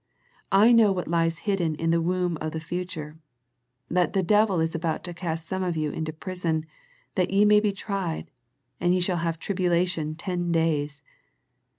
I know what lies hidden in the womb of the future, that " the devil is about to cast some of you into prison, that ye may be tried, and ye shall have tribulation ten days."